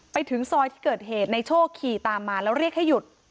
ไปถึงซอยที่เกิดเหตุในโชคขี่ตามมาแล้วเรียกให้หยุด